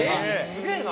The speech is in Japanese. すげえな！